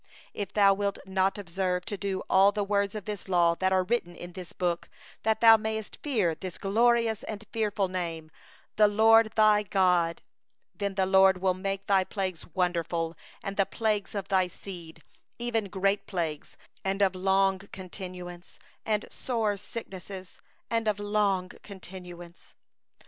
58If thou wilt not observe to do all the words of this law that are written in this book, that thou mayest fear this glorious and awful Name, the LORD thy God; 59then the LORD will make thy plagues wonderful, and the plagues of thy seed, even great plagues, and of long continuance, and sore sicknesses, and of long continuance.